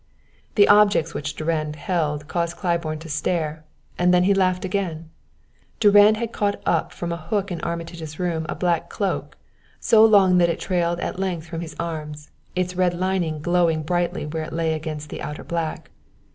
The objects which Durand held caused Claiborne to stare, and then he laughed again. Durand had caught up from a hook in Armitage's room a black cloak, so long that it trailed at length from his arms, its red lining glowing brightly where it lay against the outer black.